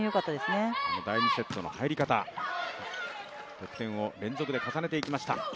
あの第２セットの入り方、得点を連続で重ねていきました。